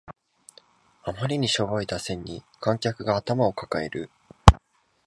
あまりにしょぼい打線に観客が頭を抱える